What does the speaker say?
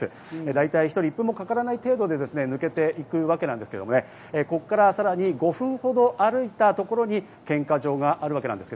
だいたい１人、１分かからない程度で抜けていくわけですが、ここからさらに５分ほど歩いたところに献花場があります。